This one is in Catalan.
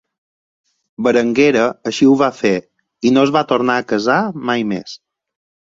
Berenguera així ho va fer i no es va tornar a casar mai més.